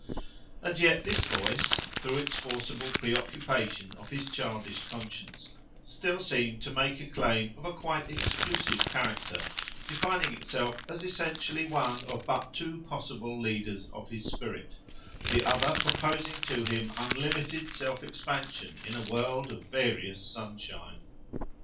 And yet this voice, through its forcible pre occupation of his childish conscience, still seemed to make a claim of a quite exclusive character, defining itself as essentially one of but two possible leaders of his spirit, the other proposing to him unlimited self expansion in a world of various sunshine.